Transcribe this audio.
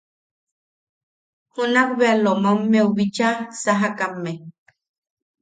Junakbea Lomammeu bicha sajakame.